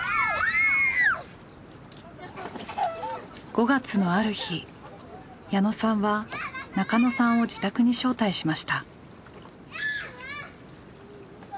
５月のある日矢野さんは中野さんを自宅に招待しました。